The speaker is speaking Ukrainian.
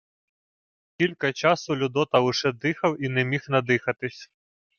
Кілька часу Людота лише дихав і не міг надихатись.